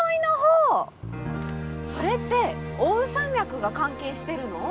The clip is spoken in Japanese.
それって奥羽山脈が関係してるの？